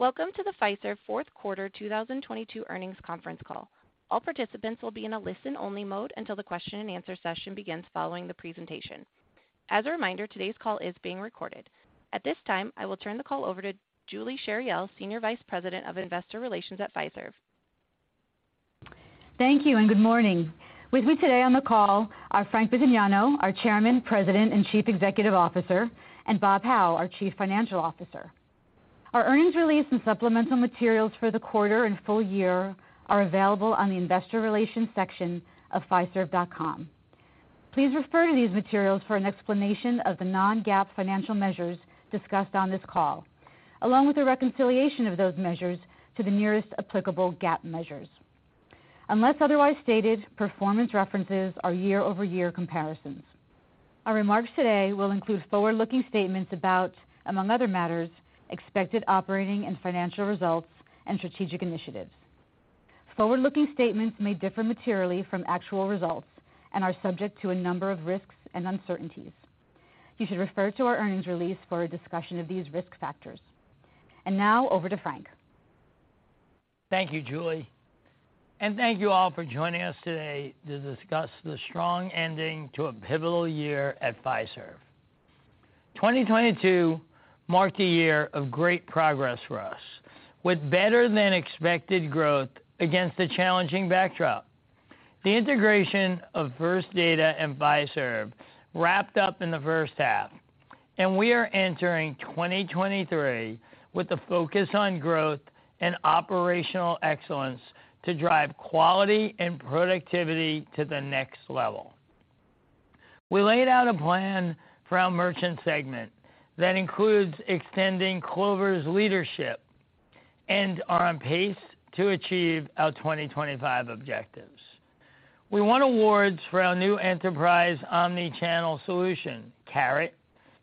Welcome to the Fiserv fourth quarter 2022 earnings conference call. All participants will be in a listen-only mode until the question-and-answer session begins following the presentation. As a reminder, today's call is being recorded. At this time, I will turn the call over to Julie Chariell, Senior Vice President of Investor Relations at Fiserv. Thank you and good morning. With me today on the call are Frank Bisignano, our Chairman, President, and Chief Executive Officer, and Bob Hau, our Chief Financial Officer. Our earnings release and supplemental materials for the quarter and full year are available on the investor relations section of fiserv.com. Please refer to these materials for an explanation of the non-GAAP financial measures discussed on this call, along with a reconciliation of those measures to the nearest applicable GAAP measures. Unless otherwise stated, performance references are year-over-year comparisons. Our remarks today will include forward-looking statements about, among other matters, expected operating and financial results and strategic initiatives. Forward-looking statements may differ materially from actual results and are subject to a number of risks and uncertainties. You should refer to our earnings release for a discussion of these risk factors. Now over to Frank. Thank you, Julie. Thank you all for joining us today to discuss the strong ending to a pivotal year at Fiserv. 2022 marked a year of great progress for us, with better than expected growth against a challenging backdrop. The integration of First Data and Fiserv wrapped up in the first half, we are entering 2023 with a focus on growth and operational excellence to drive quality and productivity to the next level. We laid out a plan for our merchant segment that includes extending Clover's leadership and are on pace to achieve our 2025 objectives. We won awards for our new enterprise omnichannel solution, Carat,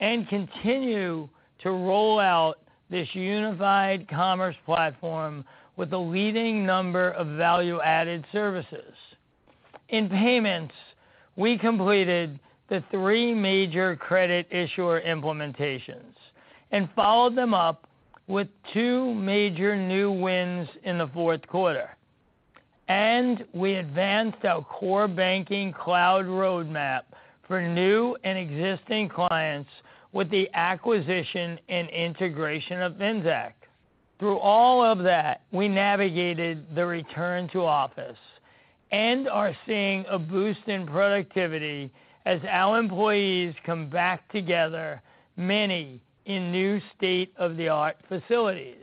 and continue to roll out this unified commerce platform with a leading number of value-added services. In payments, we completed the 3 major credit issuer implementations and followed them up with 2 major new wins in the fourth quarter. We advanced our core banking cloud roadmap for new and existing clients with the acquisition and integration of Finxact. Through all of that, we navigated the return to office and are seeing a boost in productivity as our employees come back together, many in new state-of-the-art facilities.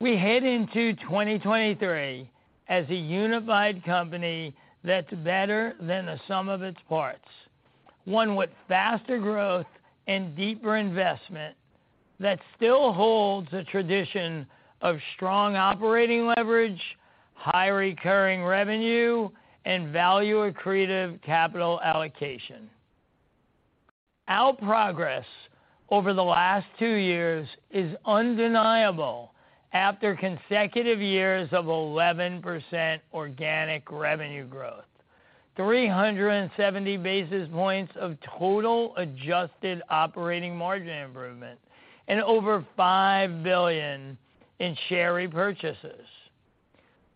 We head into 2023 as a unified company that's better than the sum of its parts, one with faster growth and deeper investment that still holds a tradition of strong operating leverage, high recurring revenue, and value-accretive capital allocation. Our progress over the last two years is undeniable after consecutive years of 11% organic revenue growth, 370 basis points of total adjusted operating margin improvement, and over $5 billion in share repurchases.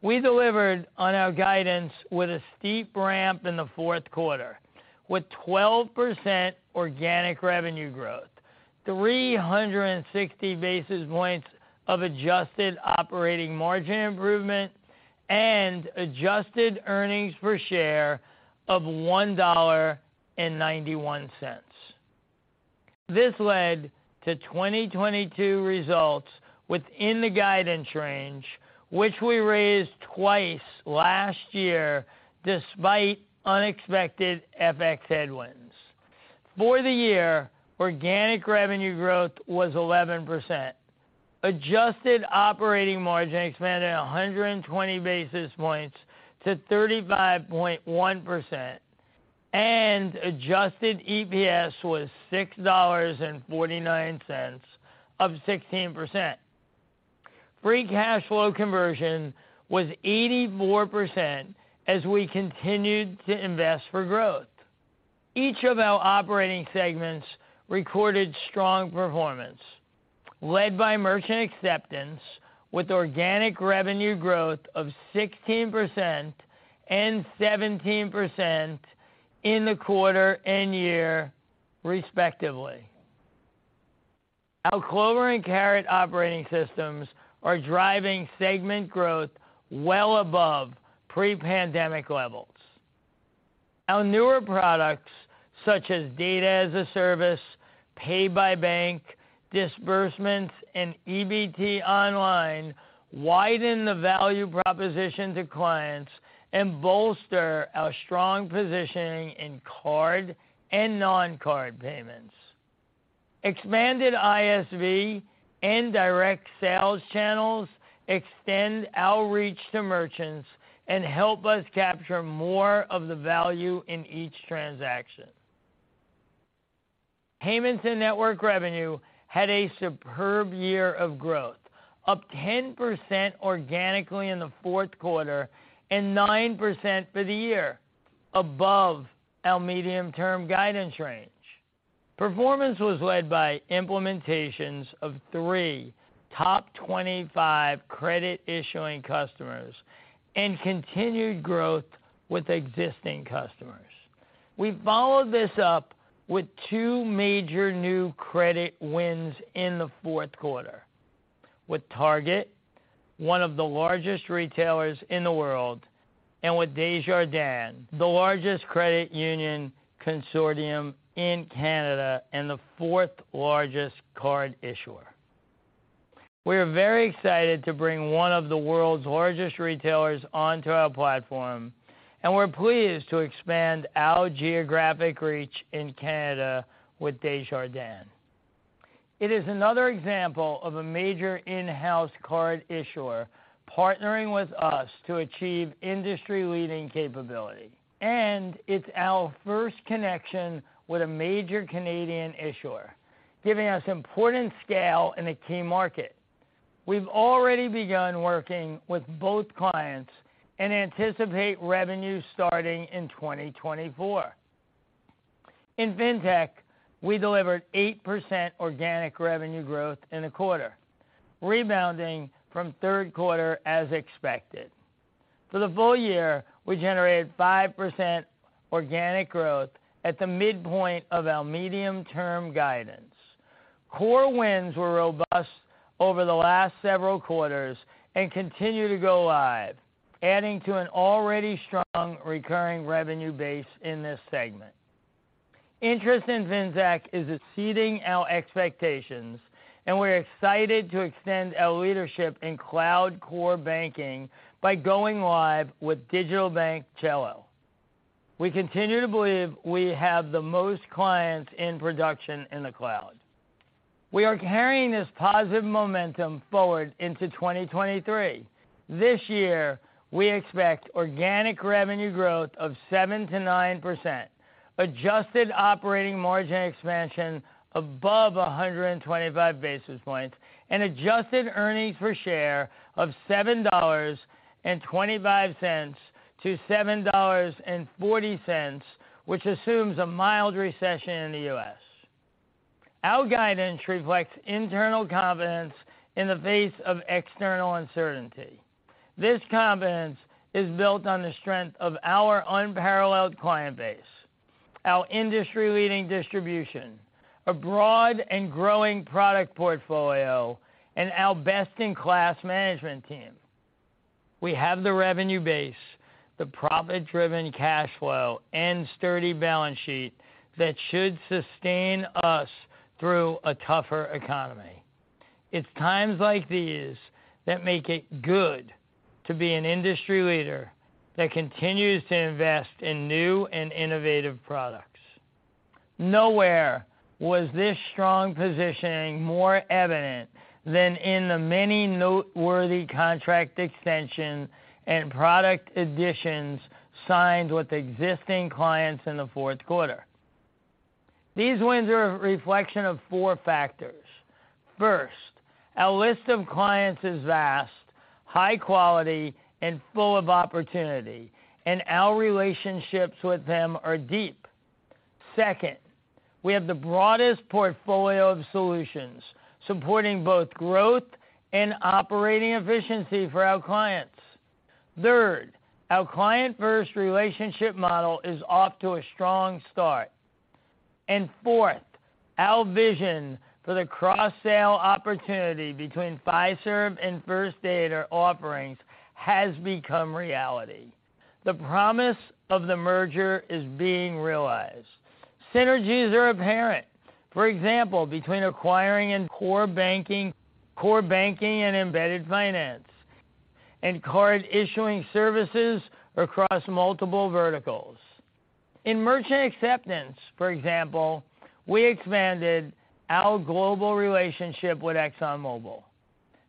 We delivered on our guidance with a steep ramp in the fourth quarter, with 12% organic revenue growth, 360 basis points of adjusted operating margin improvement, and adjusted earnings per share of $1.91. This led to 2022 results within the guidance range, which we raised twice last year despite unexpected FX headwinds. For the year, organic revenue growth was 11%. Adjusted operating margin expanded 120 basis points to 35.1%, and adjusted EPS was $6.49 of 16%. Free cash flow conversion was 84% as we continued to invest for growth. Each of our operating segments recorded strong performance, led by merchant acceptance with organic revenue growth of 16% and 17% in the quarter and year, respectively. Our Clover and Carat operating systems are driving segment growth well above pre-pandemic levels. Our newer products, such as Data-as-a-Service, Pay by Bank, disbursements, and EBT Online widen the value proposition to clients and bolster our strong positioning in card and non-card payments. Expanded ISV and direct sales channels extend our reach to merchants and help us capture more of the value in each transaction. Payments and network revenue had a superb year of growth, up 10% organically in the fourth quarter and 9% for the year. Above our medium-term guidance range. Performance was led by implementations of 3 top 25 credit issuing customers and continued growth with existing customers. We followed this up with 2 major new credit wins in the 4th quarter with Target, one of the largest retailers in the world, and with Desjardins, the largest credit union consortium in Canada and the 4th largest card issuer. We are very excited to bring one of the world's largest retailers onto our platform, and we're pleased to expand our geographic reach in Canada with Desjardins. It is another example of a major in-house card issuer partnering with us to achieve industry-leading capability, and it's our first connection with a major Canadian issuer, giving us important scale in a key market. We've already begun working with both clients and anticipate revenue starting in 2024. In FinTech, we delivered 8% organic revenue growth in the quarter, rebounding from 3rd quarter as expected. For the full year, we generated 5% organic growth at the midpoint of our medium-term guidance. Core wins were robust over the last several quarters and continue to go live, adding to an already strong recurring revenue base in this segment. Interest in Finxact is exceeding our expectations, and we're excited to extend our leadership in cloud core banking by going live with Digital Bank Cello. We continue to believe we have the most clients in production in the cloud. We are carrying this positive momentum forward into 2023. This year, we expect organic revenue growth of 7%-9%, adjusted operating margin expansion above 125 basis points, and adjusted earnings per share of $7.25-$7.40, which assumes a mild recession in the U.S. Our guidance reflects internal confidence in the face of external uncertainty. This confidence is built on the strength of our unparalleled client base, our industry-leading distribution, a broad and growing product portfolio, and our best-in-class management team. We have the revenue base, the profit-driven cash flow, and sturdy balance sheet that should sustain us through a tougher economy. It's times like these that make it good to be an industry leader that continues to invest in new and innovative products. Nowhere was this strong positioning more evident than in the many noteworthy contract extensions and product additions signed with existing clients in the fourth quarter. These wins are a reflection of four factors. First, our list of clients is vast, high quality, and full of opportunity, and our relationships with them are deep. Second, we have the broadest portfolio of solutions, supporting both growth and operating efficiency for our clients. Third, our client-first relationship model is off to a strong start. Fourth, our vision for the cross-sale opportunity between Fiserv and First Data offerings has become reality. The promise of the merger is being realized. Synergies are apparent, for example, between acquiring and core banking, core banking and embedded finance, and card issuing services across multiple verticals. In merchant acceptance, for example, we expanded our global relationship with Exxon Mobil.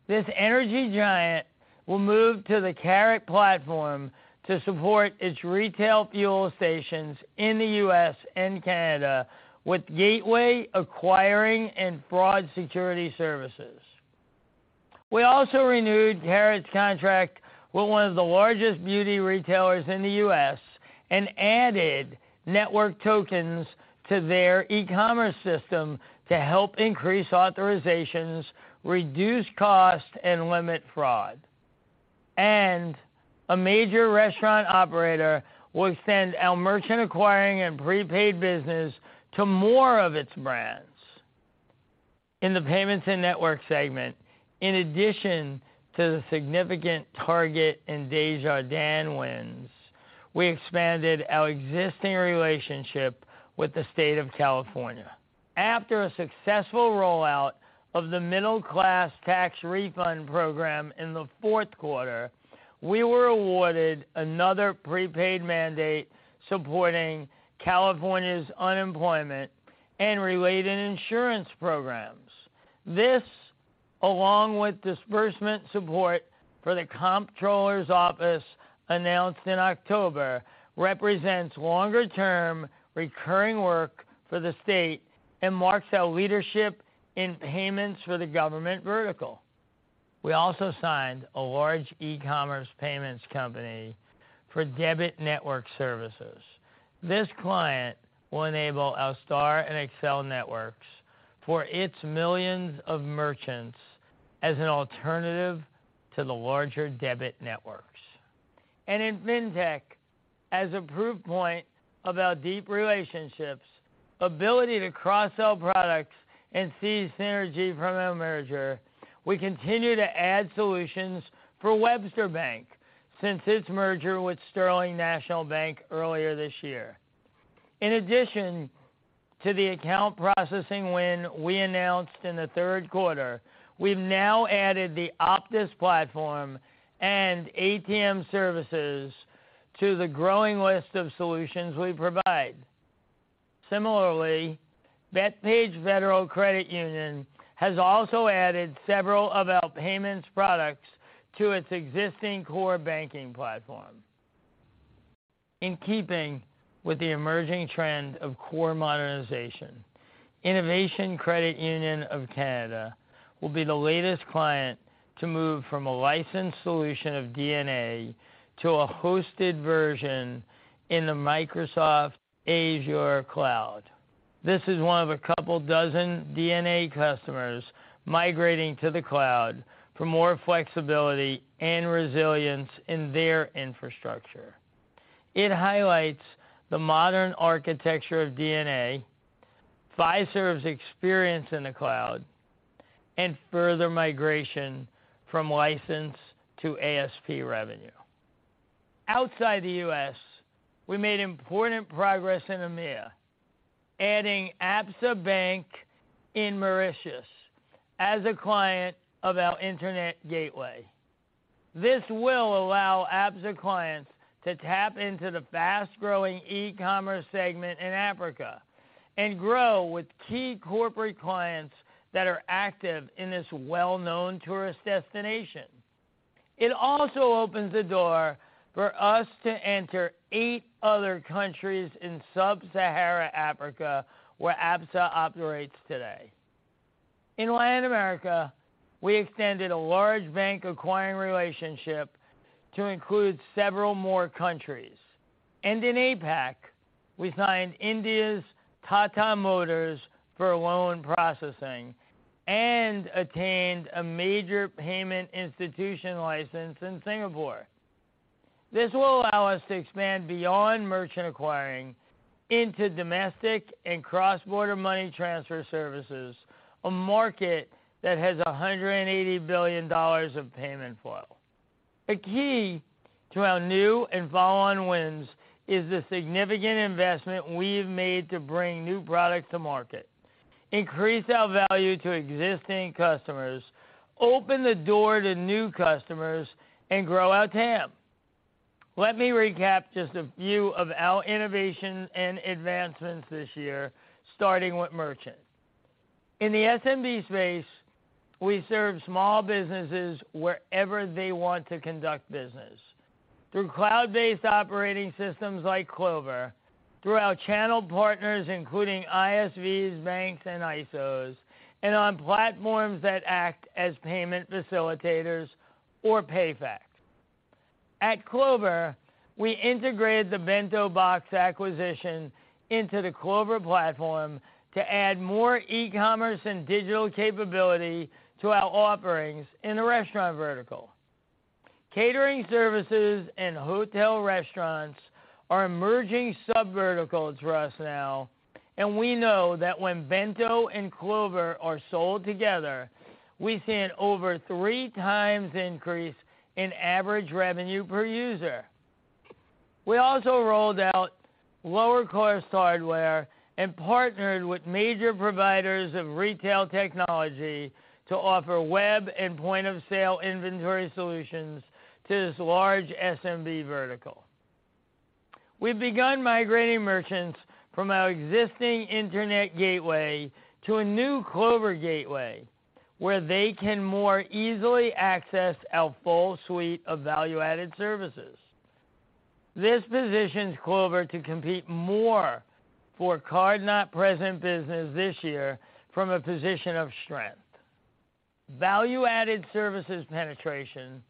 This energy giant will move to the Carat platform to support its retail fuel stations in the US and Canada with gateway acquiring and fraud security services. We also renewed Carat's contract with one of the largest beauty retailers in the US and added network tokens to their e-commerce system to help increase authorizations, reduce cost, and limit fraud. A major restaurant operator will extend our merchant acquiring and prepaid business to more of its brands. In the payments and network segment, in addition to the significant Target and Desjardins wins, we expanded our existing relationship with the State of California. After a successful rollout of the Middle Class Tax Refund program in the fourth quarter, we were awarded another prepaid mandate supporting California's unemployment and related insurance programs. This, along with disbursement support for the Controller's Office announced in October, represents longer-term recurring work for the State and marks our leadership in payments for the government vertical. We also signed a large e-commerce payments company for debit network services. This client will enable our STAR and Accel networks for its millions of merchants as an alternative to the larger debit networks. In fintech, as a proof point of our deep relationships, ability to cross-sell products, and seize synergy from a merger, we continue to add solutions for Webster Bank since its merger with Sterling National Bank earlier this year. In addition to the account processing win we announced in the third quarter, we've now added the uChoice platform and ATM services to the growing list of solutions we provide. Similarly, Bethpage Federal Credit Union has also added several of our payments products to its existing core banking platform. In keeping with the emerging trend of core modernization, Innovation Federal Credit Union will be the latest client to move from a licensed solution of DNA to a hosted version in the Microsoft Azure cloud. This is one of a couple dozen DNA customers migrating to the cloud for more flexibility and resilience in their infrastructure. It highlights the modern architecture of DNA, Fiserv's experience in the cloud, and further migration from licensed to ASP revenue. Outside the U.S., we made important progress in EMEA, adding Absa Bank in Mauritius as a client of our internet gateway. This will allow Absa clients to tap into the fast-growing e-commerce segment in Africa and grow with key corporate clients that are active in this well-known tourist destination. It also opens the door for us to enter eight other countries in sub-Sahara Africa where Absa operates today. In Latin America, we extended a large bank acquiring relationship to include several more countries. In APAC, we signed India's Tata Motors for loan processing and attained a major payment institution license in Singapore. This will allow us to expand beyond merchant acquiring into domestic and cross-border money transfer services, a market that has a $180 billion of payment flow. A key to our new and follow-on wins is the significant investment we have made to bring new products to market, increase our value to existing customers, open the door to new customers, and grow our TAM. Let me recap just a few of our innovations and advancements this year, starting with merchant. In the SMB space, we serve small businesses wherever they want to conduct business, through cloud-based operating systems like Clover, through our channel partners, including ISVs, banks, and ISOs, and on platforms that act as payment facilitators or PayFac. At Clover, we integrated the BentoBox acquisition into the Clover platform to add more e-commerce and digital capability to our offerings in the restaurant vertical. Catering services and hotel restaurants are emerging sub-verticals for us now, and we know that when Bento and Clover are sold together, we see an over 3 times increase in average revenue per user. We also rolled out lower-cost hardware and partnered with major providers of retail technology to offer web and point-of-sale inventory solutions to this large SMB vertical. We've begun migrating merchants from our existing internet gateway to a new Clover Gateway, where they can more easily access our full suite of value-added services. This positions Clover to compete more for card-not-present business this year from a position of strength. Value-added services penetration,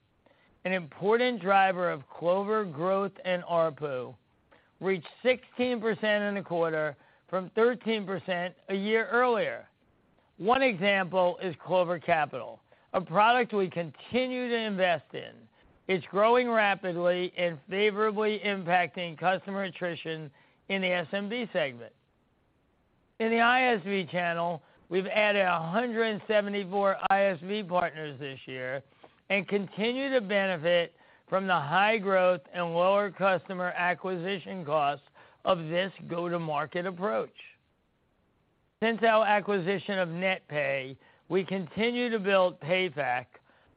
an important driver of Clover growth and ARPU, reached 16% in the quarter from 13% a year earlier. One example is Clover Capital, a product we continue to invest in. It's growing rapidly and favorably impacting customer attrition in the SMB segment. In the ISV channel, we've added 174 ISV partners this year and continue to benefit from the high growth and lower customer acquisition costs of this go-to-market approach. Since our acquisition of NetPay, we continue to build PayFac,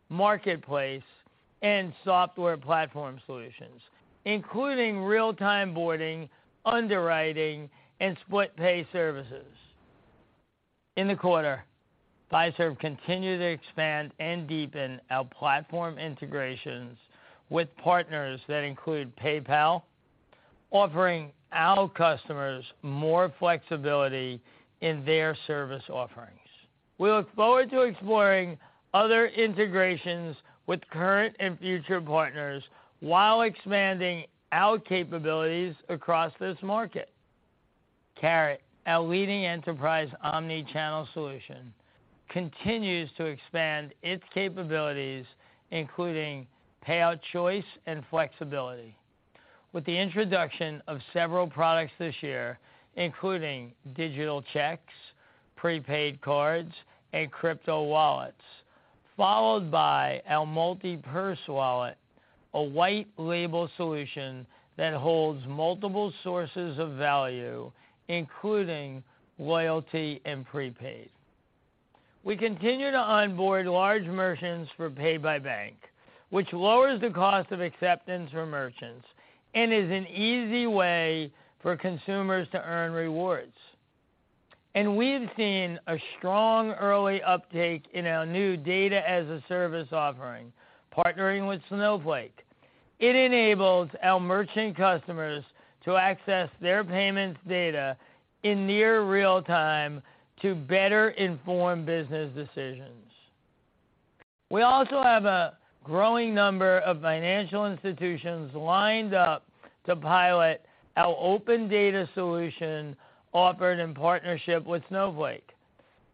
marketplace, and software platform solutions, including real-time boarding, underwriting, and split-pay services. In the quarter, Fiserv continued to expand and deepen our platform integrations with partners that include PayPal, offering our customers more flexibility in their service offerings. We look forward to exploring other integrations with current and future partners while expanding our capabilities across this market. Carat, our leading enterprise omnichannel solution, continues to expand its capabilities, including payout choice and flexibility. With the introduction of several products this year, including digital checks, prepaid cards, and crypto wallets, followed by our Multi-Purse Wallet, a white label solution that holds multiple sources of value, including loyalty and prepaid. We continue to onboard large merchants for Pay by Bank, which lowers the cost of acceptance for merchants and is an easy way for consumers to earn rewards. We've seen a strong early uptake in our new Data-as-a-Service offering, partnering with Snowflake. It enables our merchant customers to access their payments data in near real time to better inform business decisions. We also have a growing number of financial institutions lined up to pilot our open data solution offered in partnership with Snowflake.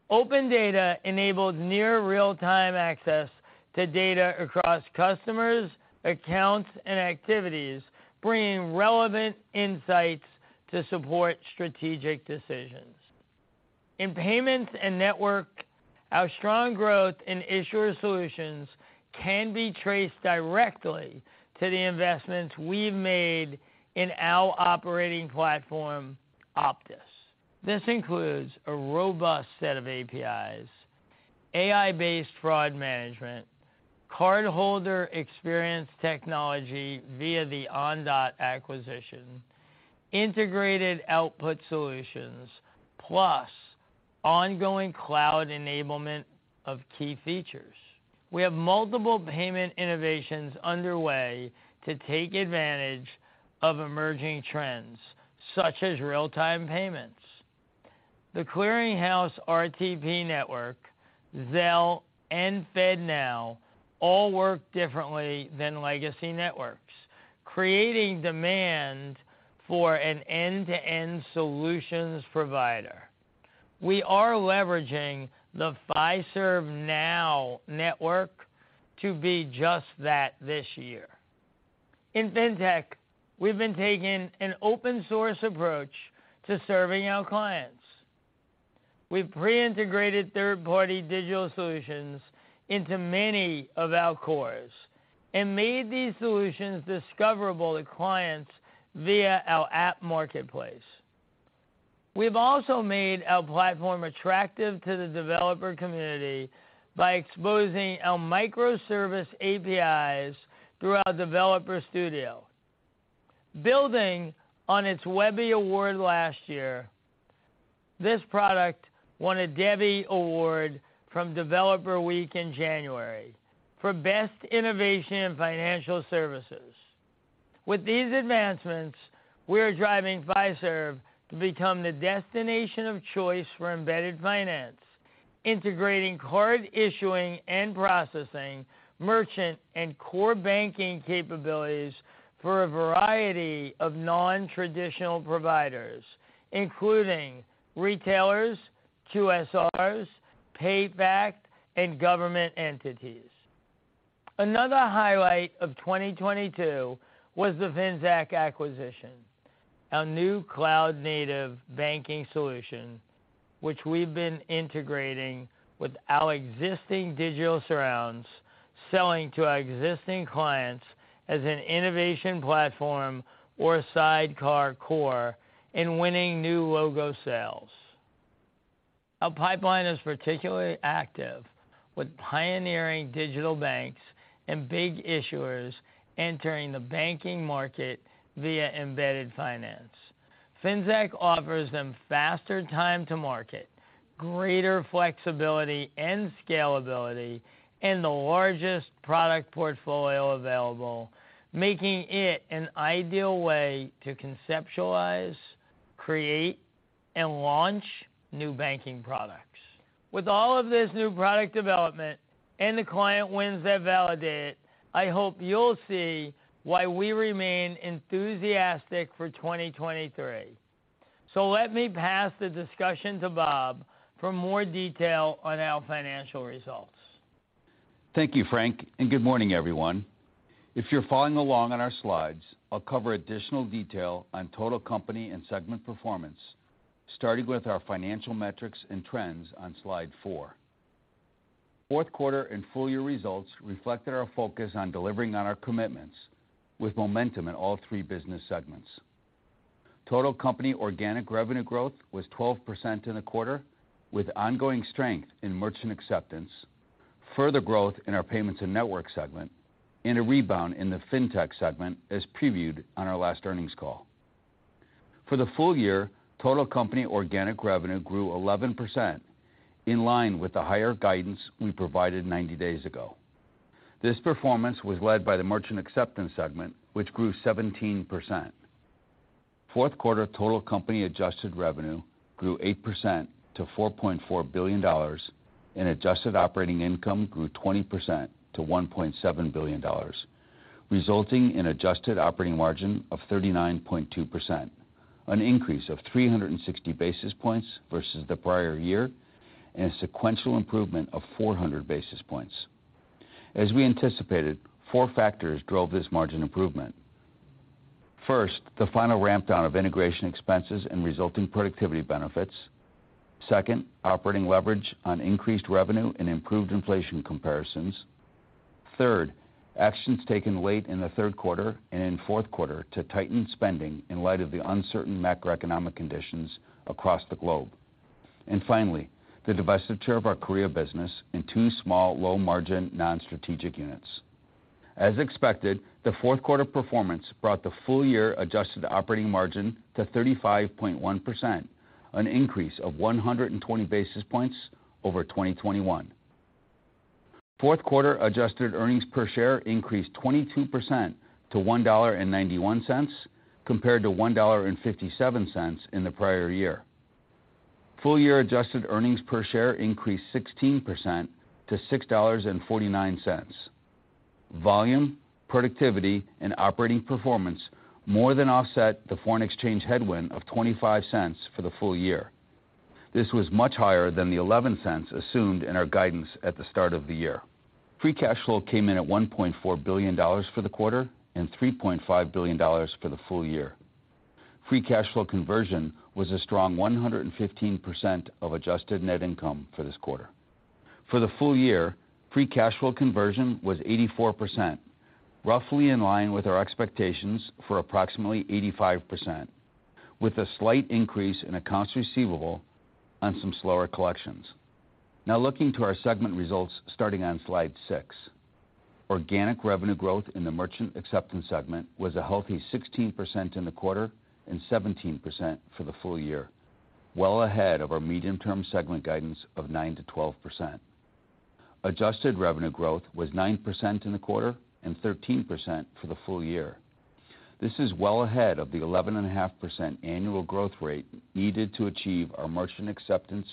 Open data enables near real-time access to data across customers, accounts, and activities, bringing relevant insights to support strategic decisions. In payments and network, our strong growth in issuer solutions can be traced directly to the investments we've made in our operating platform, Optus. This includes a robust set of APIs, AI-based fraud management, cardholder experience technology via the Ondot acquisition, integrated output solutions, plus ongoing cloud enablement of key features. We have multiple payment innovations underway to take advantage of emerging trends, such as real-time payments. The Clearing House RTP network, Zelle, and FedNow all work differently than legacy networks, creating demand for an end-to-end solutions provider. We are leveraging the Fiserv Now network to be just that this year. In Fintech, we've been taking an open source approach to serving our clients. We've pre-integrated third-party digital solutions into many of our cores and made these solutions discoverable to clients via our app marketplace. We've also made our platform attractive to the developer community by exposing our microservice APIs through our Developer Studio. Building on its Webby Award last year, this product won a DEVVY Award from DeveloperWeek in January for best innovation in financial services. With these advancements, we are driving Fiserv to become the destination of choice for embedded finance, integrating card issuing and processing, merchant, and core banking capabilities for a variety of non-traditional providers, including retailers, QSRs, payback, and government entities. Another highlight of 2022 was the Finxact acquisition, our new cloud-native banking solution, which we've been integrating with our existing digital surrounds, selling to our existing clients as an innovation platform or sidecar core and winning new logo sales. Our pipeline is particularly active with pioneering digital banks and big issuers entering the banking market via embedded finance. Finxact offers them faster time to market, greater flexibility and scalability, and the largest product portfolio available, making it an ideal way to conceptualize, create, and launch new banking products. With all of this new product development and the client wins that validate, I hope you'll see why we remain enthusiastic for 2023. Let me pass the discussion to Bob for more detail on our financial results. Thank you, Frank. Good morning, everyone. If you're following along on our slides, I'll cover additional detail on total company and segment performance, starting with our financial metrics and trends on slide four. Fourth quarter and full-year results reflected our focus on delivering on our commitments with momentum in all three business segments. Total company organic revenue growth was 12% in the quarter, with ongoing strength in merchant acceptance, further growth in our payments and network segment, and a rebound in the fintech segment, as previewed on our last earnings call. For the full year, total company organic revenue grew 11%, in line with the higher guidance we provided 90 days ago. This performance was led by the merchant acceptance segment, which grew 17%. Fourth quarter total company adjusted revenue grew 8% to $4.4 billion, and adjusted operating income grew 20% to $1.7 billion, resulting in adjusted operating margin of 39.2%, an increase of 360 basis points versus the prior year, and a sequential improvement of 400 basis points. As we anticipated, four factors drove this margin improvement. First, the final ramp down of integration expenses and resulting productivity benefits. Second, operating leverage on increased revenue and improved inflation comparisons. Third, actions taken late in the third quarter and in fourth quarter to tighten spending in light of the uncertain macroeconomic conditions across the globe. Finally, the divestiture of our Korea business in 2 small low margin non-strategic units. As expected, the fourth quarter performance brought the full year adjusted operating margin to 35.1%, an increase of 120 basis points over 2021. Fourth quarter adjusted earnings per share increased 22% to $1.91 compared to $1.57 in the prior year. Full year adjusted earnings per share increased 16% to $6.49. Volume, productivity, and operating performance more than offset the foreign exchange headwind of $0.25 for the full year. This was much higher than the $0.11 assumed in our guidance at the start of the year. Free cash flow came in at $1.4 billion for the quarter and $3.5 billion for the full year. Free cash flow conversion was a strong 115% of adjusted net income for this quarter. For the full year, free cash flow conversion was 84%, roughly in line with our expectations for approximately 85%, with a slight increase in accounts receivable on some slower collections. Looking to our segment results starting on slide 6. Organic revenue growth in the merchant acceptance segment was a healthy 16% in the quarter and 17% for the full year, well ahead of our medium-term segment guidance of 9%-12%. Adjusted revenue growth was 9% in the quarter and 13% for the full year. This is well ahead of the 11.5% annual growth rate needed to achieve our merchant acceptance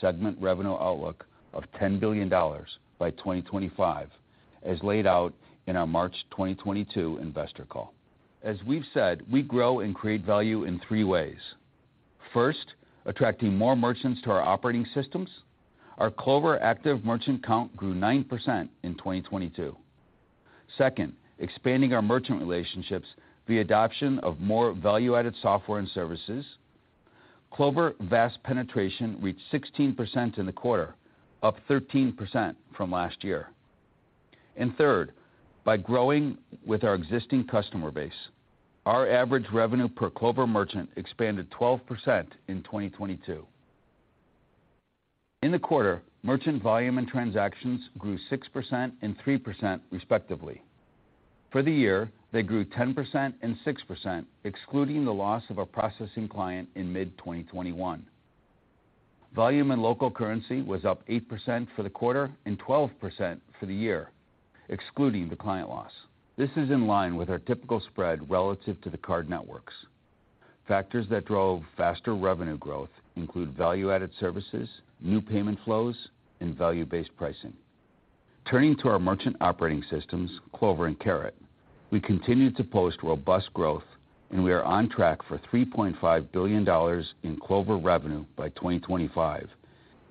segment revenue outlook of $10 billion by 2025, as laid out in our March 2022 investor call. As we've said, we grow and create value in 3 ways. First, attracting more merchants to our operating systems. Our Clover active merchant count grew 9% in 2022. Second, expanding our merchant relationships via adoption of more value-added software and services. Clover VAS penetration reached 16% in the quarter, up 13% from last year. Third, by growing with our existing customer base, our average revenue per Clover merchant expanded 12% in 2022. In the quarter, merchant volume and transactions grew 6% and 3%, respectively. For the year, they grew 10% and 6%, excluding the loss of a processing client in mid-2021. Volume and local currency was up 8% for the quarter and 12% for the year, excluding the client loss. This is in line with our typical spread relative to the card networks. Factors that drove faster revenue growth include value-added services, new payment flows, and value-based pricing. Turning to our merchant operating systems, Clover and Carat, we continue to post robust growth, and we are on track for $3.5 billion in Clover revenue by 2025,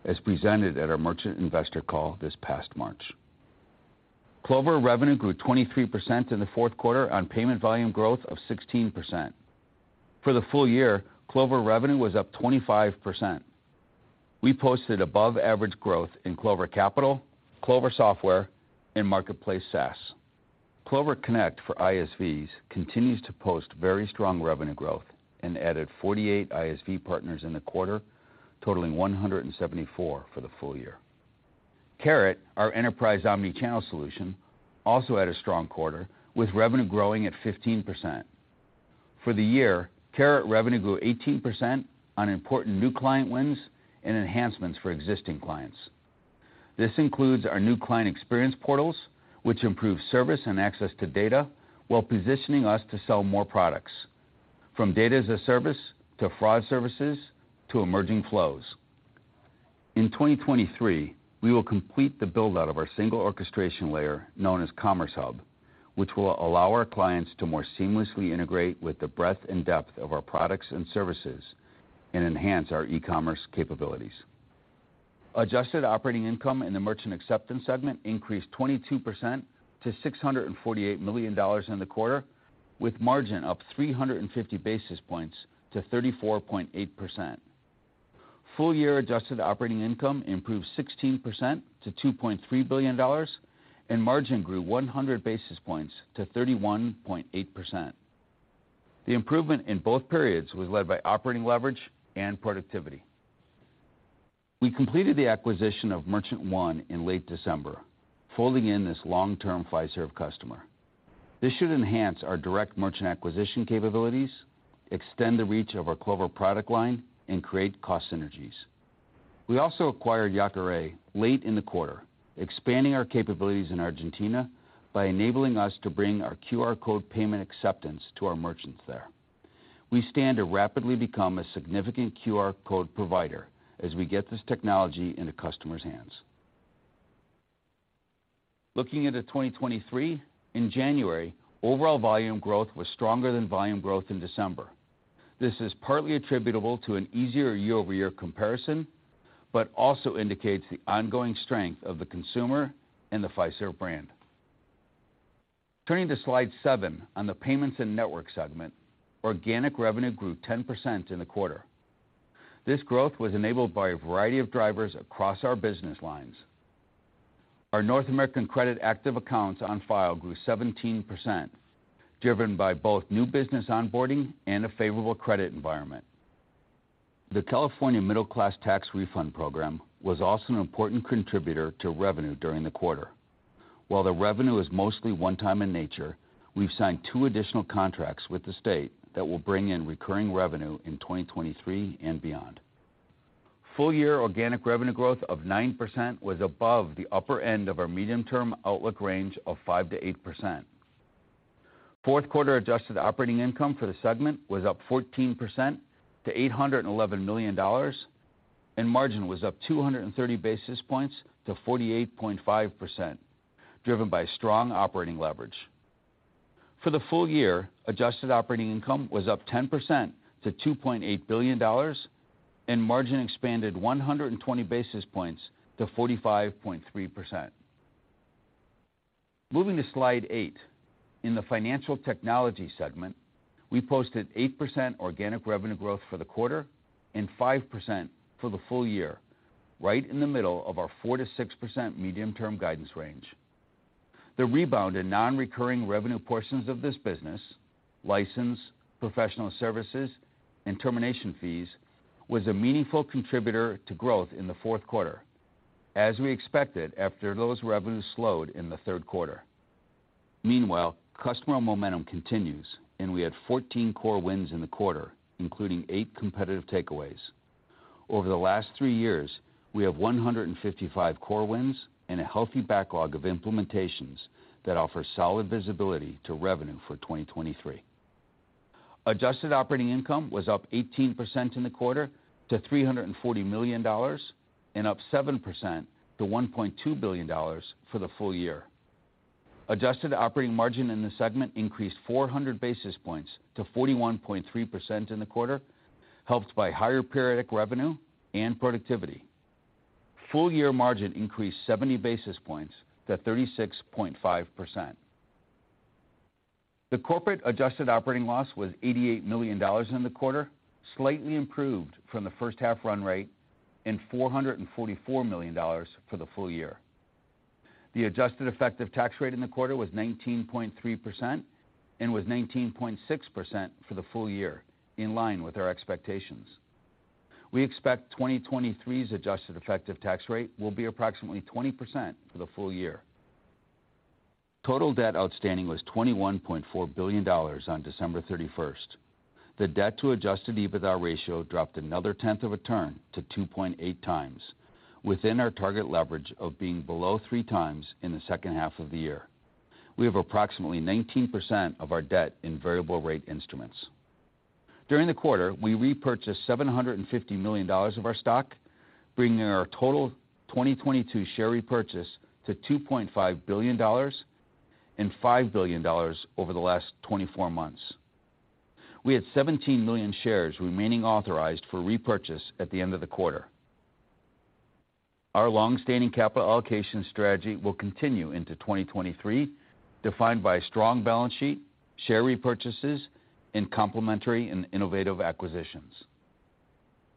as presented at our merchant investor call this past March. Clover revenue grew 23% in the fourth quarter on payment volume growth of 16%. For the full year, Clover revenue was up 25%. We posted above average growth in Clover Capital, Clover Software, and Marketplace SaaS. Clover Connect for ISVs continues to post very strong revenue growth and added 48 ISV partners in the quarter, totaling 174 for the full year. Carat, our enterprise omnichannel solution, also had a strong quarter with revenue growing at 15%. For the year, Carat revenue grew 18% on important new client wins and enhancements for existing clients. This includes our new client experience portals, which improve service and access to data while positioning us to sell more products, from Data-as-a-Service to fraud services to emerging flows. In 2023, we will complete the build-out of our single orchestration layer known as Commerce Hub, which will allow our clients to more seamlessly integrate with the breadth and depth of our products and services and enhance our e-commerce capabilities. Adjusted operating income in the merchant acceptance segment increased 22% to $648 million in the quarter, with margin up 350 basis points to 34.8%. Full year adjusted operating income improved 16% to $2.3 billion, and margin grew 100 basis points to 31.8%. The improvement in both periods was led by operating leverage and productivity. We completed the acquisition of Merchant One in late December, folding in this long-term Fiserv customer. This should enhance our direct merchant acquisition capabilities, extend the reach of our Clover product line, and create cost synergies. We also acquired Yacaré late in the quarter, expanding our capabilities in Argentina by enabling us to bring our QR code payment acceptance to our merchants there. We stand to rapidly become a significant QR code provider as we get this technology into customers' hands. Looking into 2023, in January, overall volume growth was stronger than volume growth in December. This is partly attributable to an easier year-over-year comparison, but also indicates the ongoing strength of the consumer and the Fiserv brand. Turning to slide 7 on the payments and network segment, organic revenue grew 10% in the quarter. This growth was enabled by a variety of drivers across our business lines. Our North American credit active accounts on file grew 17%, driven by both new business onboarding and a favorable credit environment. The California Middle Class Tax Refund program was also an important contributor to revenue during the quarter. While the revenue is mostly one-time in nature, we've signed 2 additional contracts with the state that will bring in recurring revenue in 2023 and beyond. Full-year organic revenue growth of 9% was above the upper end of our medium-term outlook range of 5%-8%. Fourth quarter adjusted operating income for the segment was up 14% to $811 million, and margin was up 230 basis points to 48.5%, driven by strong operating leverage. For the full year, adjusted operating income was up 10% to $2.8 billion, and margin expanded 120 basis points to 45.3%. Moving to slide eight, in the financial technology segment, we posted 8% organic revenue growth for the quarter and 5% for the full year, right in the middle of our 4%-6% medium-term guidance range. The rebound in non-recurring revenue portions of this business, license, professional services, and termination fees, was a meaningful contributor to growth in the fourth quarter, as we expected after those revenues slowed in the third quarter. Meanwhile, customer momentum continues, and we had 14 core wins in the quarter, including eight competitive takeaways. Over the last three years, we have 155 core wins and a healthy backlog of implementations that offer solid visibility to revenue for 2023. Adjusted operating income was up 18% in the quarter to $340 million and up 7% to $1.2 billion for the full year. Adjusted operating margin in the segment increased 400 basis points to 41.3% in the quarter, helped by higher periodic revenue and productivity. Full-year margin increased 70 basis points to 36.5%. The corporate adjusted operating loss was $88 million in the quarter, slightly improved from the first half run rate, and $444 million for the full year. The adjusted effective tax rate in the quarter was 19.3% and was 19.6% for the full year, in line with our expectations. We expect 2023's adjusted effective tax rate will be approximately 20% for the full year. Total debt outstanding was $21.4 billion on December 31st. The debt to adjusted EBITDA ratio dropped another tenth of a turn to 2.8x, within our target leverage of being below 3x in the second half of the year. We have approximately 19% of our debt in variable rate instruments. During the quarter, we repurchased $750 million of our stock, bringing our total 2022 share repurchase to $2.5 billion and $5 billion over the last 24 months. We had 17 million shares remaining authorized for repurchase at the end of the quarter. Our long-standing capital allocation strategy will continue into 2023, defined by strong balance sheet, share repurchases, and complementary and innovative acquisitions.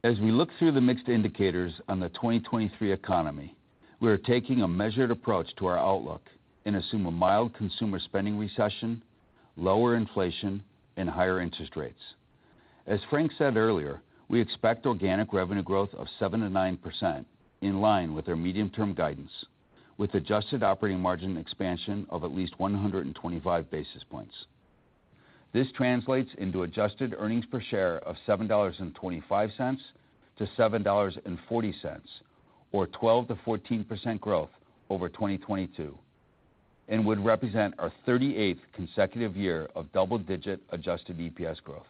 As we look through the mixed indicators on the 2023 economy, we are taking a measured approach to our outlook and assume a mild consumer spending recession, lower inflation, and higher interest rates. As Frank said earlier, we expect organic revenue growth of 7%-9%, in line with our medium-term guidance, with adjusted operating margin expansion of at least 125 basis points. This translates into adjusted earnings per share of $7.25 to $7.40 or 12%-14% growth over 2022 and would represent our 38th consecutive year of double-digit adjusted EPS growth.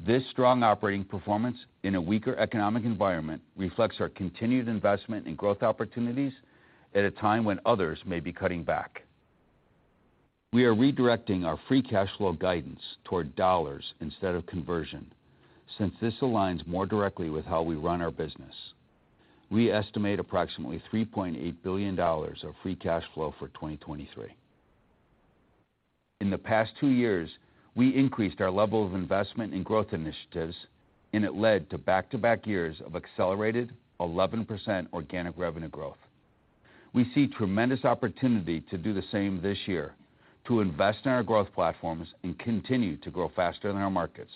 This strong operating performance in a weaker economic environment reflects our continued investment in growth opportunities at a time when others may be cutting back. We are redirecting our free cash flow guidance toward dollars instead of conversion, since this aligns more directly with how we run our business. We estimate approximately $3.8 billion of free cash flow for 2023. In the past two years, we increased our level of investment in growth initiatives. It led to back-to-back years of accelerated 11% organic revenue growth. We see tremendous opportunity to do the same this year, to invest in our growth platforms and continue to grow faster than our markets.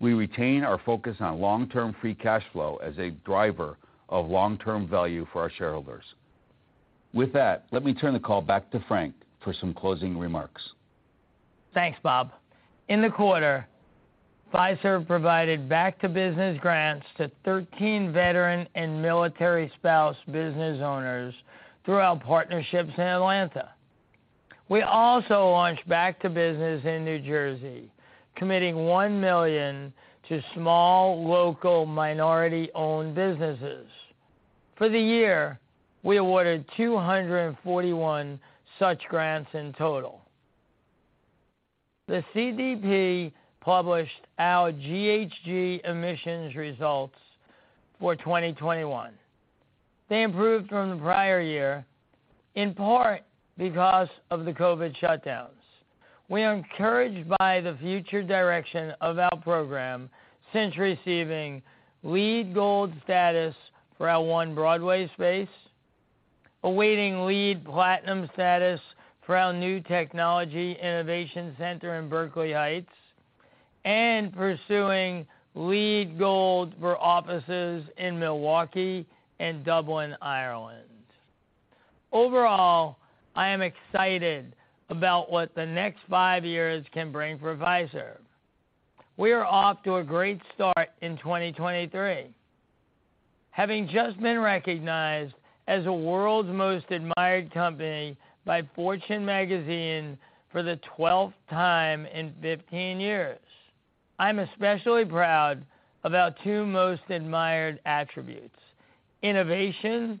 We retain our focus on long-term free cash flow as a driver of long-term value for our shareholders. With that, let me turn the call back to Frank for some closing remarks. Thanks, Bob. In the quarter, Fiserv provided Back2Business grants to 13 veteran and military spouse business owners through our partnerships in Atlanta. We also launched Back2Business in New Jersey, committing $1 million to small, local minority-owned businesses. For the year, we awarded 241 such grants in total. The CDP published our GHG emissions results for 2021. They improved from the prior year, in part because of the COVID shutdowns. We are encouraged by the future direction of our program since receiving LEED Gold status for our One Broadway space, awaiting LEED Platinum status for our new technology innovation center in Berkeley Heights, and pursuing LEED Gold for offices in Milwaukee and Dublin, Ireland. Overall, I am excited about what the next five years can bring for Fiserv. We are off to a great start in 2023, having just been recognized as the world's most admired company by Fortune for the 12th time in 15 years. I'm especially proud of our two most admired attributes, innovation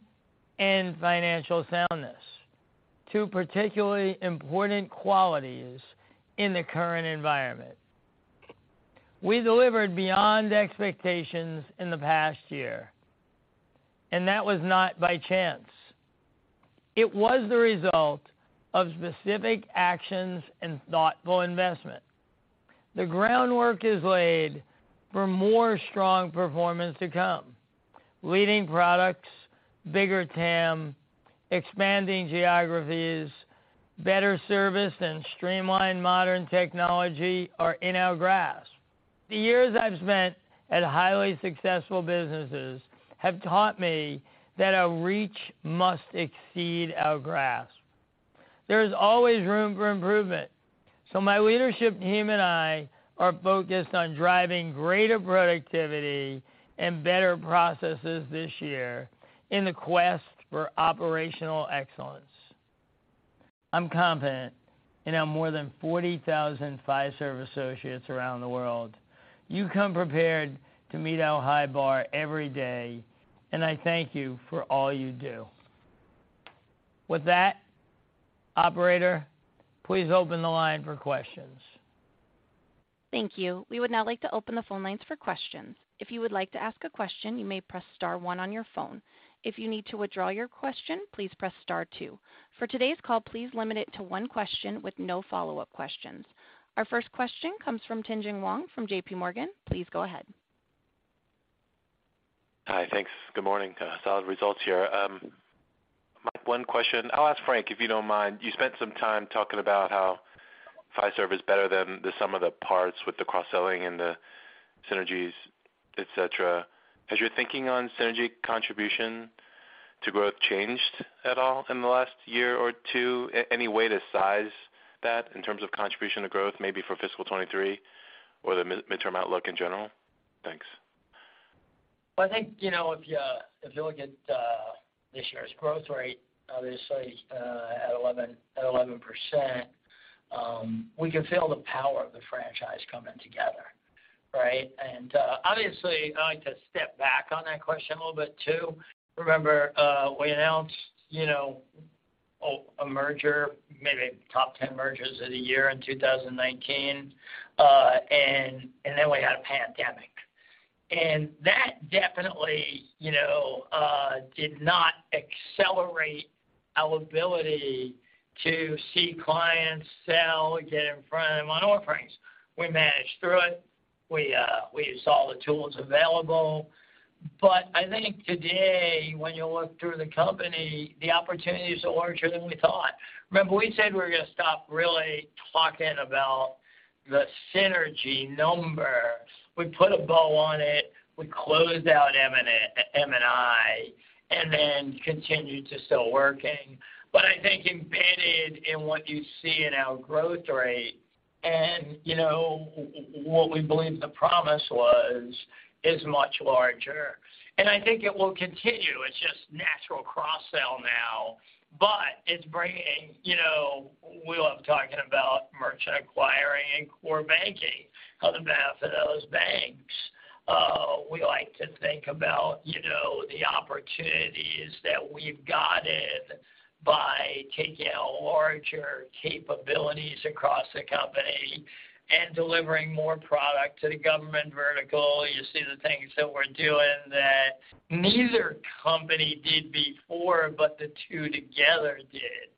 and financial soundness, two particularly important qualities in the current environment. We delivered beyond expectations in the past year, and that was not by chance. It was the result of specific actions and thoughtful investment. The groundwork is laid for more strong performance to come. Leading products, bigger TAM, expanding geographies, better service and streamlined modern technology are in our grasp. The years I've spent at highly successful businesses have taught me that our reach must exceed our grasp. There is always room for improvement, so my leadership team and I are focused on driving greater productivity and better processes this year in the quest for operational excellence. I'm confident in our more than 40,000 Fiserv associates around the world. You come prepared to meet our high bar every day, I thank you for all you do. With that, operator, please open the line for questions. Thank you. We would now like to open the phone lines for questions. If you would like to ask a question, you may press star one on your phone. If you need to withdraw your question, please press star two. For today's call, please limit it to one question with no follow-up questions. Our first question comes from Tien-Tsin Huang from JPMorgan. Please go ahead. Hi. Thanks. Good morning. Solid results here. One question. I'll ask Frank if you don't mind. You spent some time talking about how Fiserv is better than the sum of the parts with the cross-selling and the synergies, et cetera. As you're thinking on synergy contribution to growth changed at all in the last year or two, any way to size that in terms of contribution to growth, maybe for fiscal 23 or the midterm outlook in general? Thanks. I think, you know, if you look at this year's growth rate, obviously, at 11%, we can feel the power of the franchise coming together, right? Obviously, I like to step back on that question a little bit too. Remember, we announced, you know, a merger, maybe top 10 mergers of the year in 2019, and then we had a pandemic. That definitely, you know, did not accelerate our ability to see clients sell, get in front of them on offerings. We managed through it. We used all the tools available. I think today when you look through the company, the opportunity is larger than we thought. Remember, we said we're gonna stop really talking about the synergy number. We put a bow on it, we closed out M&I, and then continued to still working. I think embedded in what you see in our growth rate and, you know, what we believe the promise was is much larger. I think it will continue. It's just natural cross-sell now, but it's bringing, you know, we love talking about merchant acquiring and core banking on behalf of those banks. We like to think about, you know, the opportunities that we've gotten by taking our larger capabilities across the company and delivering more product to the government vertical. You see the things that we're doing that neither company did before, but the two together did.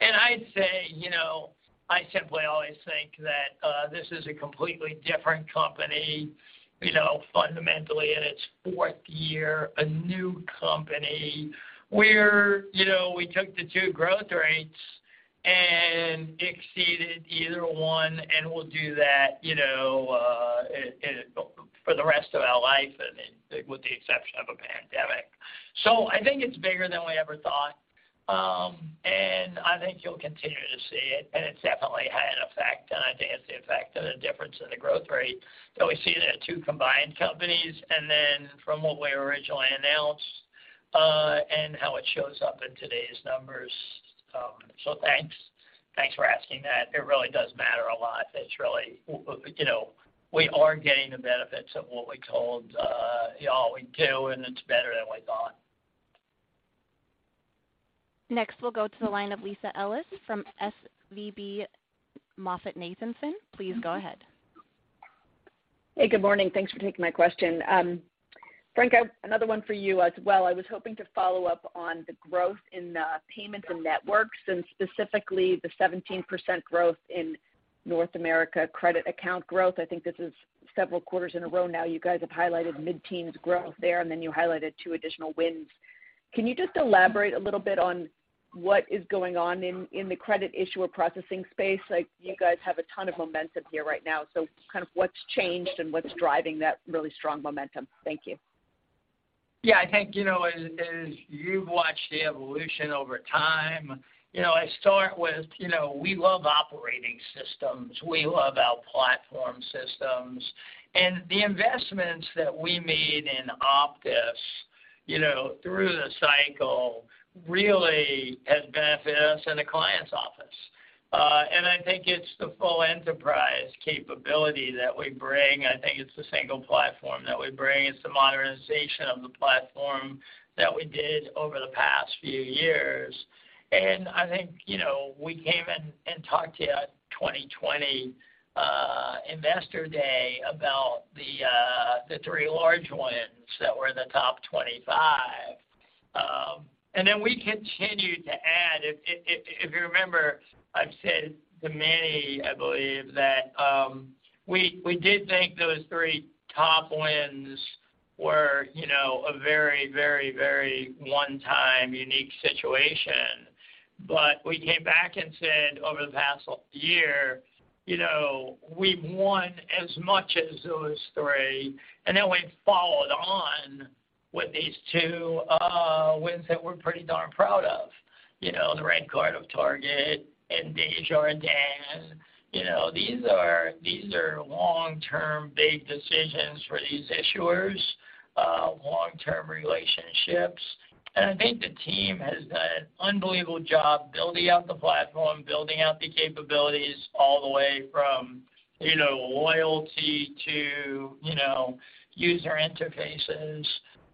I'd say, you know, I simply always think that. This is a completely different company, you know, fundamentally in its fourth year, a new company where, you know, we took the two growth rates and exceeded either one and we'll do that, you know, for the rest of our life, I mean, with the exception of a pandemic. I think it's bigger than we ever thought. I think you'll continue to see it, and it's definitely had an effect. I think it's the effect of the difference in the growth rate that we see the two combined companies and then from what we originally announced, and how it shows up in today's numbers. Thanks, thanks for asking that. It really does matter a lot. It's really. You know, we are getting the benefits of what we told you all we'd do, and it's better than we thought. Next, we'll go to the line of Lisa Ellis from SVB MoffettNathanson. Please go ahead. Hey, good morning. Thanks for taking my question. Frank, I have another one for you as well. I was hoping to follow up on the growth in the payments and networks and specifically the 17% growth in North America credit account growth. I think this is several quarters in a row now. You guys have highlighted mid-teens growth there, and then you highlighted 2 additional wins. Can you just elaborate a little bit on what is going on in the credit issuer processing space? Like, you guys have a ton of momentum here right now, so kind of what's changed and what's driving that really strong momentum. Thank you. Yeah, I think, you know, as you've watched the evolution over time, you know, I start with, you know, we love operating systems. We love our platform systems. The investments that we made in Optus, you know, through the cycle, really has benefited us in the client's office. I think it's the full enterprise capability that we bring. I think it's the single platform that we bring. It's the modernization of the platform that we did over the past few years. I think, you know, we came in and talked to you at 2020 Investor Day about the 3 large wins that were the top 25. Then we continued to add. If you remember, I've said to many, I believe that we did think those 3 top wins were, you know, a very, very, very one-time unique situation. We came back and said over the past year, you know, we've won as much as those 3, and then we followed on with these 2 wins that we're pretty darn proud of. You know, the RedCard of Target and Desjardins. You know, these are long-term big decisions for these issuers, long-term relationships. I think the team has done an unbelievable job building out the platform, building out the capabilities all the way from, you know, loyalty to, you know, user interfaces.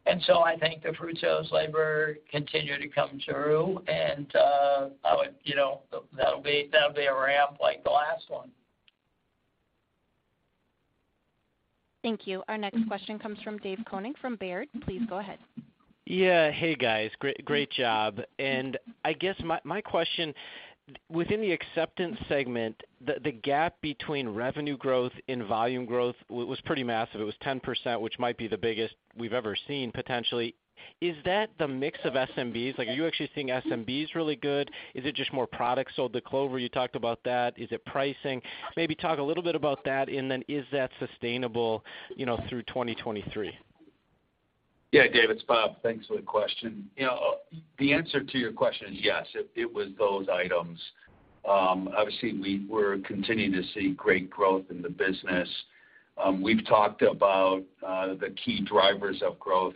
I think the fruits of those labor continue to come through. I would, you know, that'll be, that'll be a ramp like the last one. Thank you. Our next question comes from David Koning from Baird. Please go ahead. Yeah. Hey, guys. Great job. I guess my question, within the acceptance segment, the gap between revenue growth and volume growth was pretty massive. It was 10%, which might be the biggest we've ever seen, potentially. Is that the mix of SMBs? Like, are you actually seeing SMBs really good? Is it just more products? The Clover, you talked about that. Is it pricing? Maybe talk a little bit about that, and then is that sustainable, you know, through 2023? Yeah, Dave, it's Bob. Thanks for the question. You know, the answer to your question is yes, it was those items. Obviously we're continuing to see great growth in the business. We've talked about the key drivers of growth,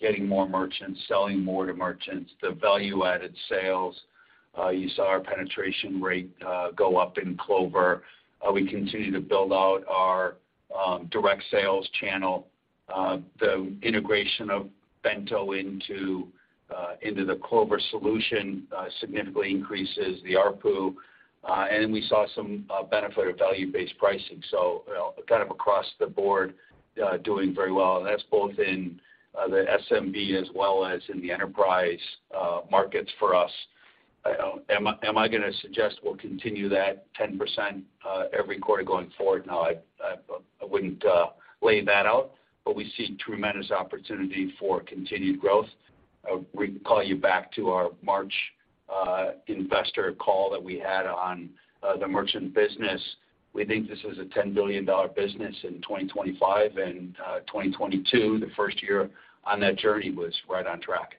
getting more merchants, selling more to merchants, the value-added sales. You saw our penetration rate go up in Clover. We continue to build out our direct sales channel. The integration of Bento into the Clover solution significantly increases the ARPU. We saw some benefit of value-based pricing. You know, kind of across the board, doing very well. That's both in the SMB as well as in the enterprise markets for us. Am I gonna suggest we'll continue that 10% every quarter going forward? No, I wouldn't lay that out. We see tremendous opportunity for continued growth. We call you back to our March investor call that we had on the merchant business. We think this is a $10 billion business in 2025. 2022, the first year on that journey was right on track.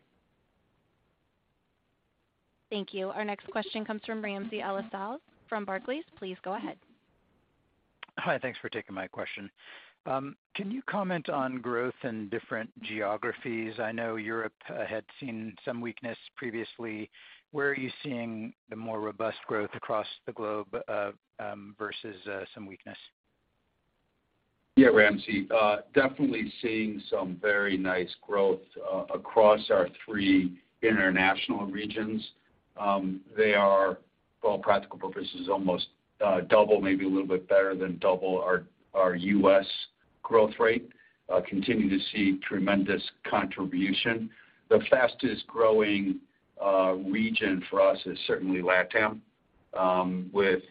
Thank you. Our next question comes from Ramsey El-Assal from Barclays. Please go ahead. Hi, thanks for taking my question. Can you comment on growth in different geographies? I know Europe had seen some weakness previously. Where are you seeing the more robust growth across the globe versus some weakness? Ramsey. Definitely seeing some very nice growth across our three international regions. They are, for all practical purposes, almost double, maybe a little bit better than double our U.S. growth rate, continue to see tremendous contribution. The fastest growing region for us is certainly LatAm, with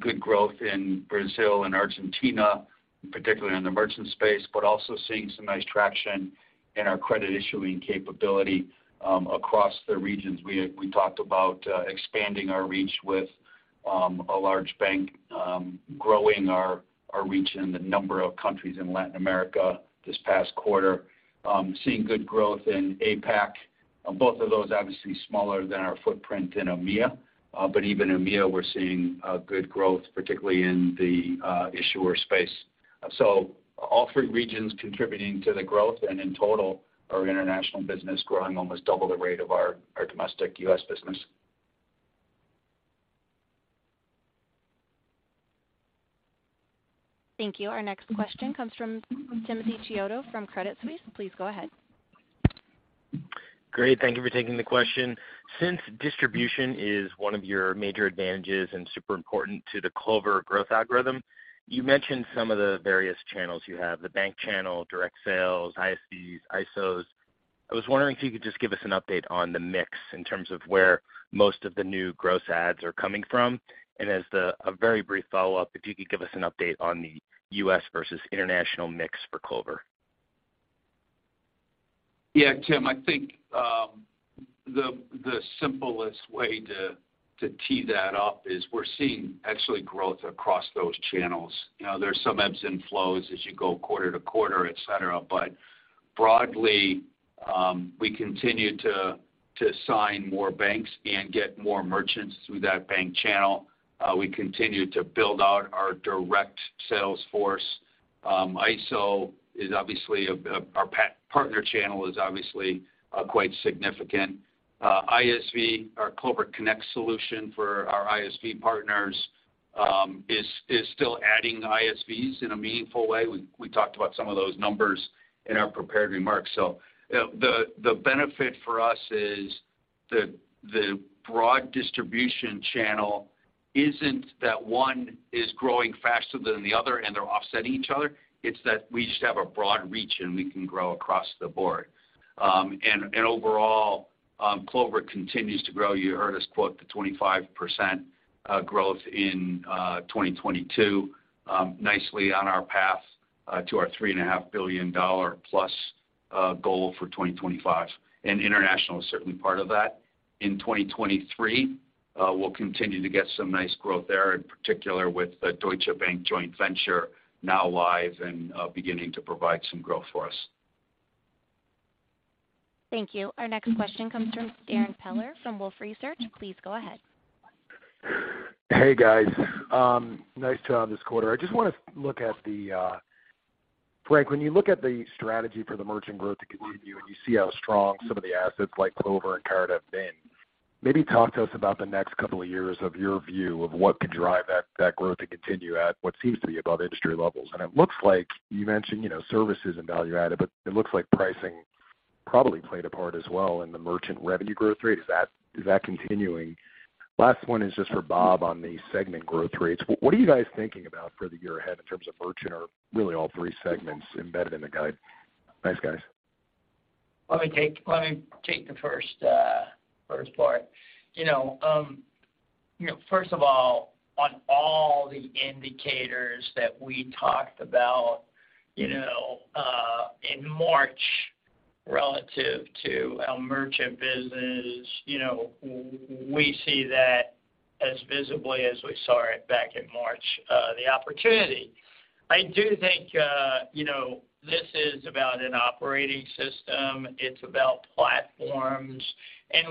good growth in Brazil and Argentina, particularly in the merchant space, but also seeing some nice traction in our credit issuing capability across the regions. We talked about expanding our reach with a large bank, growing our reach in the number of countries in Latin America this past quarter. Seeing good growth in APAC. Both of those obviously smaller than our footprint in EMEA. But even EMEA, we're seeing good growth, particularly in the issuer space. All three regions contributing to the growth. In total, our international business growing almost double the rate of our domestic U.S. business. Thank you. Our next question comes from Timothy Chiodo from Credit Suisse. Please go ahead. Great. Thank you for taking the question. Since distribution is one of your major advantages and super important to the Clover growth algorithm, you mentioned some of the various channels you have, the bank channel, direct sales, ISVs, ISOs. I was wondering if you could just give us an update on the mix in terms of where most of the new gross ads are coming from. As the a very brief follow-up, if you could give us an update on the U.S. versus international mix for Clover. Tim. I think the simplest way to tee that up is we're seeing actually growth across those channels. You know, there's some ebbs and flows as you go quarter to quarter, et cetera. Broadly, we continue to sign more banks and get more merchants through that bank channel. We continue to build out our direct sales force. ISO is obviously, our partner channel is obviously quite significant. ISV, our Clover Connect solution for our ISV partners, is still adding ISVs in a meaningful way. We talked about some of those numbers in our prepared remarks. The benefit for us is the broad distribution channel isn't that one is growing faster than the other, and they're offsetting each other. It's that we just have a broad reach, and we can grow across the board. Overall, Clover continues to grow. You heard us quote the 25% growth in 2022, nicely on our path to our $3.5 billion-plus goal for 2025. International is certainly part of that. In 2023, we'll continue to get some nice growth there, in particular with the Deutsche Bank joint venture now live and beginning to provide some growth for us. Thank you. Our next question comes from Darrin Peller from Wolfe Research. Please go ahead. Hey, guys. nice job this quarter. I just wanna look at Frank, when you look at the strategy for the merchant growth to continue, and you see how strong some of the assets like Clover and Card have been, maybe talk to us about the next couple of years of your view of what could drive that growth to continue at what seems to be above industry levels. It looks like you mentioned, you know, services and value-added, but it looks like pricing probably played a part as well in the merchant revenue growth rate. Is that continuing? Last one is just for Bob on the segment growth rates. What are you guys thinking about for the year ahead in terms of merchant or really all three segments embedded in the guide? Thanks, guys. Let me take the first part. You know, first of all, on all the indicators that we talked about, you know, in March relative to our merchant business, you know, we see that as visibly as we saw it back in March, the opportunity. I do think, you know, this is about an operating system. It's about platforms.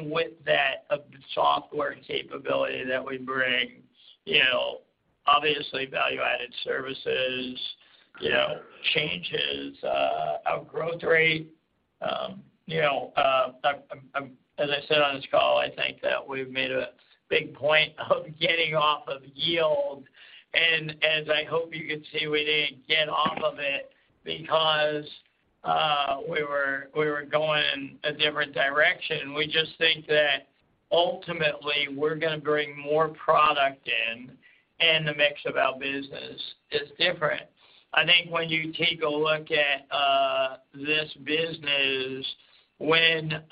With that software capability that we bring, you know, obviously Value-Added Services, you know, changes our growth rate. You know, I'm as I said on this call, I think that we've made a big point of getting off of yield. As I hope you can see, we didn't get off of it because we were going a different direction. We just think that ultimately we're gonna bring more product in, and the mix of our business is different. I think when you take a look at this business, when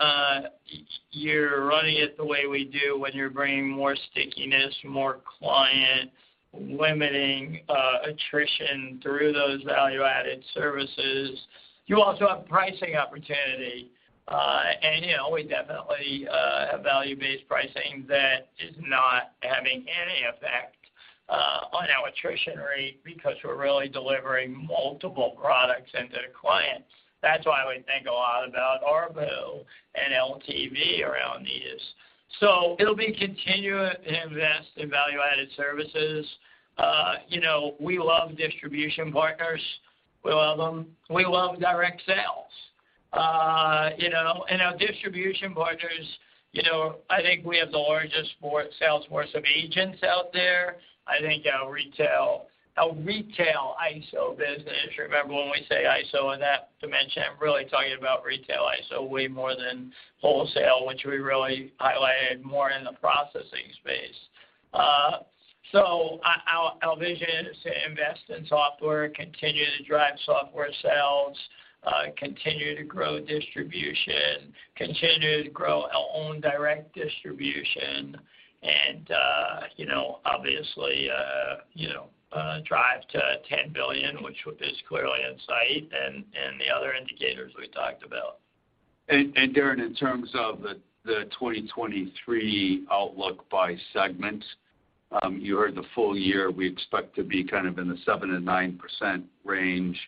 you're running it the way we do, when you're bringing more stickiness, more client, limiting attrition through those Value-Added Services, you also have pricing opportunity. you know, we definitely have value-based pricing that is not having any effect on our attrition rate because we're really delivering multiple products into the client. That's why we think a lot about ARPU and LTV around these. it'll be continue to invest in Value-Added Services. you know, we love distribution partners. We love them. We love direct sales, you know. Our distribution partners, you know, I think we have the largest sales force of agents out there. I think our retail, our retail ISO business, remember when we say ISO in that dimension, I'm really talking about retail ISO way more than wholesale, which we really highlighted more in the processing space. Our vision is to invest in software, continue to drive software sales, continue to grow distribution, continue to grow our own direct distribution and, you know, obviously, you know, drive to $10 billion, which is clearly in sight and the other indicators we talked about. Darrin, in terms of the 2023 outlook by segment, you heard the full year, we expect to be kind of in the 7%-9% range.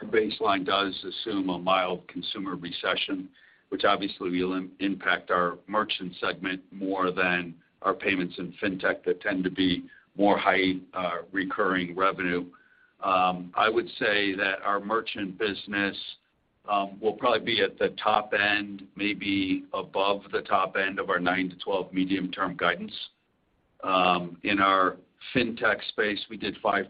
The baseline does assume a mild consumer recession, which obviously will impact our merchant segment more than our payments in fintech that tend to be more high recurring revenue. I would say that our merchant business will probably be at the top end, maybe above the top end of our 9%-12% medium-term guidance. In our fintech space, we did 5%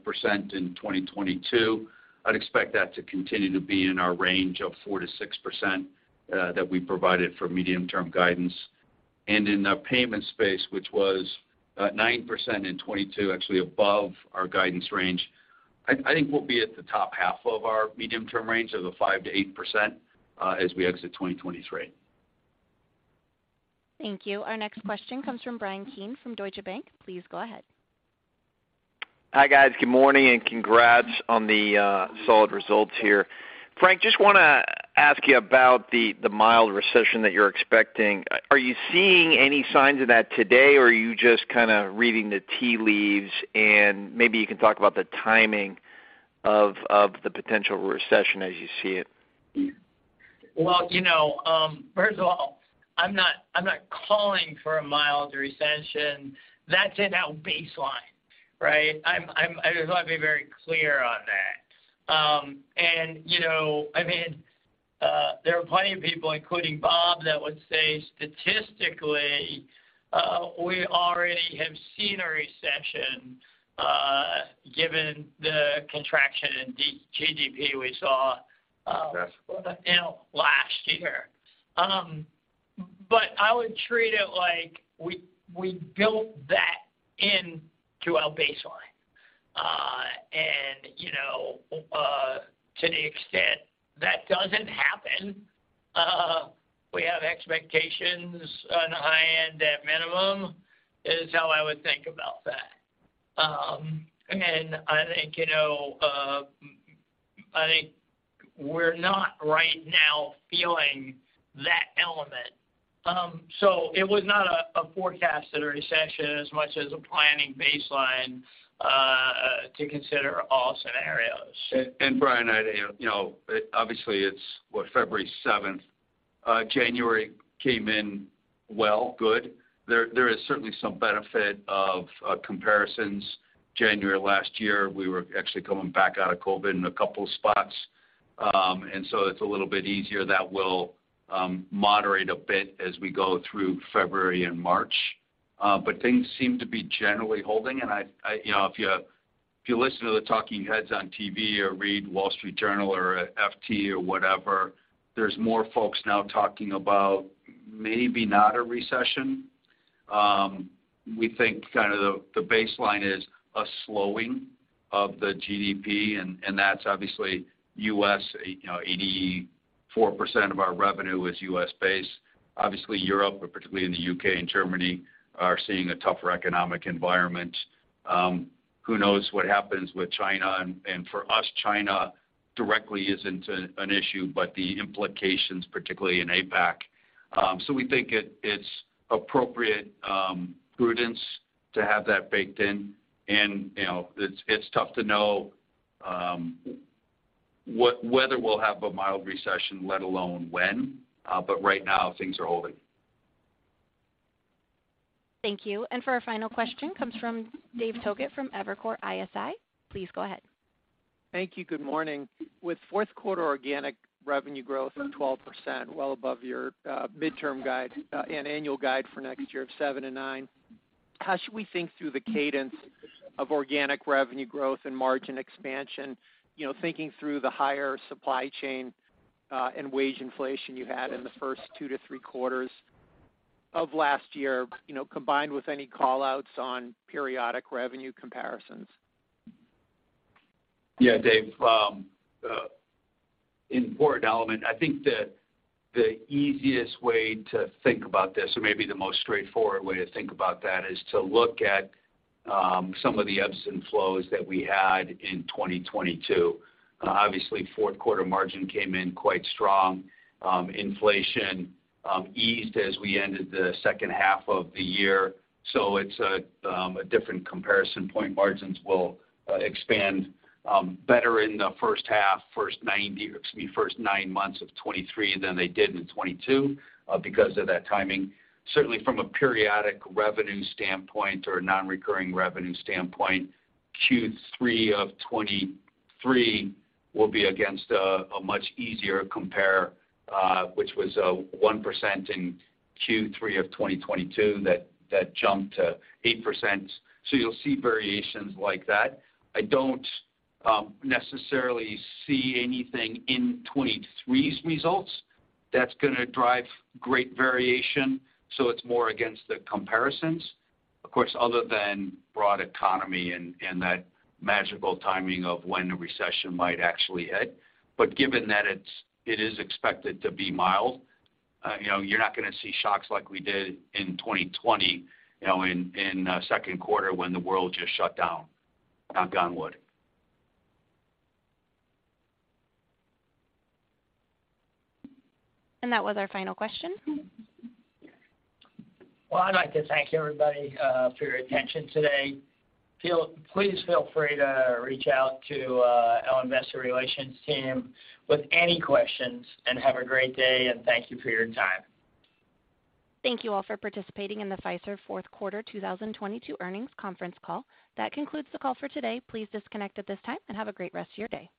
in 2022. I'd expect that to continue to be in our range of 4%-6% that we provided for medium-term guidance. In the payment space, which was 9% in 2022, actually above our guidance range. I think we'll be at the top half of our medium-term range of the 5%-8%, as we exit 2023. Thank you. Our next question comes from Bryan Keane from Deutsche Bank. Please go ahead. Hi, guys. Good morning and congrats on the solid results here. Frank, just wanna ask you about the mild recession that you're expecting. Are you seeing any signs of that today, or are you just kinda reading the tea leaves? Maybe you can talk about the timing of the potential recession as you see it? Well, you know, first of all, I'm not calling for a mild recession. That's in our baseline, right? I just want to be very clear on that. You know, I mean, there are plenty of people, including Bob, that would say statistically, we already have seen a recession, given the contraction in G-GDP we saw, you know, last year. I would treat it like we built that in to our baseline. You know, to the extent that doesn't happen, we have expectations on the high end at minimum is how I would think about that. I think, you know, I think we're not right now feeling that element. It was not a forecasted recession as much as a planning baseline, to consider all scenarios. Bryan, I you know, obviously it's, what, February 7th. January came in well, good. There is certainly some benefit of comparisons. January last year, we were actually coming back out of COVID in a couple of spots. It's a little bit easier. That will moderate a bit as we go through February and March. Things seem to be generally holding. I, you know, if you, if you listen to the talking heads on TV or read Wall Street Journal or FT or whatever, there's more folks now talking about maybe not a recession. We think kind of the baseline is a slowing of the GDP, and that's obviously U.S. You know, 84% of our revenue is U.S.-based. Obviously, Europe, particularly in the U.K. and Germany, are seeing a tougher economic environment. Who knows what happens with China. For us, China directly isn't an issue, but the implications, particularly in APAC. We think it's appropriate prudence to have that baked in. You know, it's tough to know whether we'll have a mild recession, let alone when, but right now, things are holding. Thank you. For our final question comes from David Togut from Evercore ISI. Please go ahead. Thank you. Good morning. With fourth quarter organic revenue growth of 12%, well above your midterm guide and annual guide for next year of 7% and 9%, how should we think through the cadence of organic revenue growth and margin expansion? You know, thinking through the higher supply chain and wage inflation you had in the 1st 2-3 quarters of last year, you know, combined with any call-outs on periodic revenue comparisons. Yeah, Dave. important element. I think the easiest way to think about this, or maybe the most straightforward way to think about that is to look at some of the ebbs and flows that we had in 2022. Obviously, fourth quarter margin came in quite strong. inflation eased as we ended the second half of the year. it's a different comparison point. Margins will expand better in the first half, first nine months of 2023 than they did in 2022 because of that timing. Certainly from a periodic revenue standpoint or a non-recurring revenue standpoint, Q3 of 2023 will be against a much easier compare, which was 1% in Q3 of 2022 that jumped to 8%. You'll see variations like that. I don't necessarily see anything in 23's results that's gonna drive great variation. It's more against the comparisons. Of course, other than broad economy and that magical timing of when a recession might actually hit. Given that it is expected to be mild, you know, you're not gonna see shocks like we did in 2020, you know, in second quarter when the world just shut down. Knock on wood. That was our final question. Well, I'd like to thank everybody, for your attention today. Please feel free to reach out to our Investor Relations team with any questions. Have a great day and thank you for your time. Thank you all for participating in the Fiserv Fourth Quarter 2022 Earnings Conference Call. That concludes the call for today. Please disconnect at this time and have a great rest of your day.